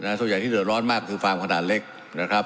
ก่อนไหนที่จะร้อนมากคือความแต่เล็กนะครับ